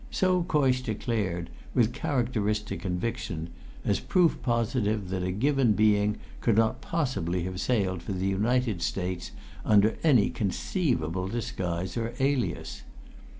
So Coysh declared, with characteristic conviction, as proof positive that a given being could not possibly have sailed for the United States under any conceivable disguise or alias.